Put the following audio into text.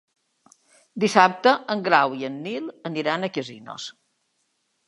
Dissabte en Grau i en Nil aniran a Casinos.